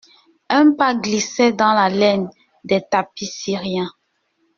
Un pas glissait dans la laine des tapis syriens.